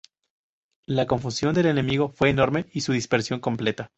La confusión del enemigo fue enorme y su dispersión completa.